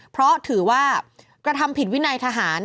เพราะถือว่ากระทำผิดวินัยทหาร